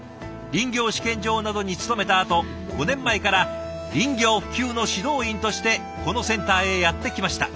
林業試験場などに勤めたあと５年前から林業普及の指導員としてこのセンターへやって来ました。